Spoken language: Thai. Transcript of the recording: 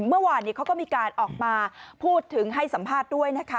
เมื่อวานนี้เขาก็มีการออกมาพูดถึงให้สัมภาษณ์ด้วยนะคะ